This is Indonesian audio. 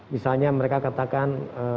misalnya mereka katakan